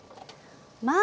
まあ！